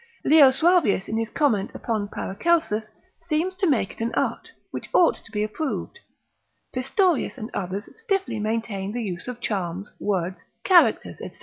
Leo Suavius in his comment upon Paracelsus seems to make it an art, which ought to be approved; Pistorius and others stiffly maintain the use of charms, words, characters, &c.